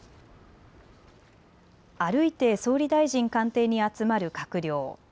歩いて総理大臣官邸に集まる閣僚。